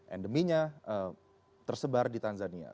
endeminya tersebar di tanzania